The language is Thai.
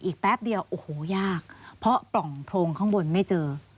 แป๊บเดียวโอ้โหยากเพราะปล่องโพรงข้างบนไม่เจอ